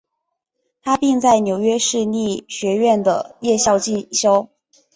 他并在纽约市立学院的夜校进修。